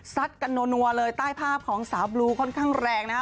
กันนัวเลยใต้ภาพของสาวบลูค่อนข้างแรงนะฮะ